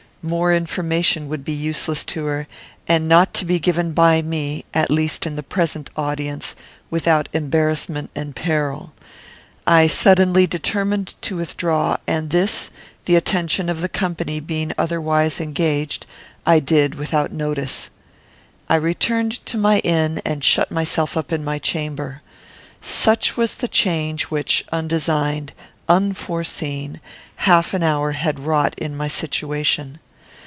More information would be useless to her, and not to be given by me, at least in the present audience, without embarrassment and peril. I suddenly determined to withdraw, and this, the attention of the company being otherwise engaged, I did without notice. I returned to my inn, and shut myself up in my chamber. Such was the change which, undesigned, unforeseen, half an hour had wrought in my situation.